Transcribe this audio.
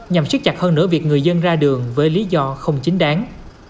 nhằm siết chặt hơn nửa việc người dân ra đường với lý do không chính đáng